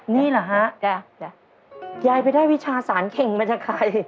นี่เหรอฮะจ้ะยายไปได้วิชาสารเข่งมาจากใคร